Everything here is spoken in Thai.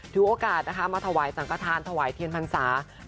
ถือกลาดนะคะมาถวายสังฆ์ธานถวายเทียนพรรษฐศาสตร์